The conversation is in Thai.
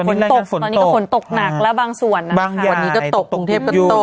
ตอนนี้ก็ฝนตกตอนนี้ก็ฝนตกหนักแล้วบางส่วนนะค่ะบางอย่างฝนตกฝนตกอยู่